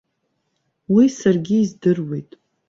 Уи саргьы издыруеит.